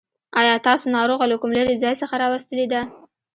آيا تاسو ناروغه له کوم لرې ځای څخه راوستلې ده.